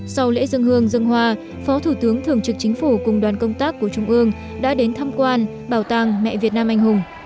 sau lễ dân hương dân hoa phó thủ tướng thường trực chính phủ cùng đoàn công tác của trung ương đã đến thăm quan bảo tàng mẹ việt nam anh hùng